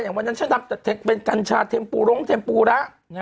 อย่างวันนั้นฉันทำเป็นกัญชาเทมปูหลงเทมปูระ